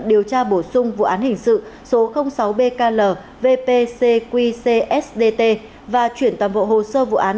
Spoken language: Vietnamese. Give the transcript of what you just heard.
điều tra bổ sung vụ án hình sự số sáu bklcqcsdt và chuyển toàn bộ hồ sơ vụ án